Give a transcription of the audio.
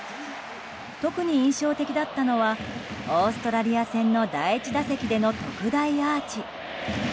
特に印象的だったのはオーストラリア戦の第１打席での特大アーチ。